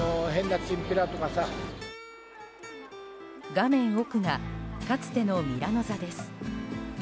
画面奥がかつてのミラノ座です。